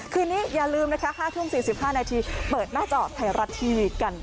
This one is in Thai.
คืนนี้อย่าลืมนะคะ๕ทุ่ม๔๕นาทีเปิดหน้าจอไทยรัฐทีวีกัน